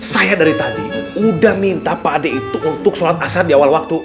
saya dari tadi udah minta pakde itu untuk sholat asad di awal waktu